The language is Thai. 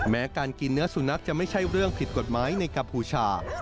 แม้การกินเนื้อสุนัขจะไม่ใช่เรื่องผิดกฎหมายในกัมพูชา